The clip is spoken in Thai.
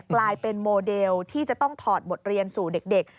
กลายเป็นโมเดลที่จะต้องถอดบทเรียนสู่เด็ก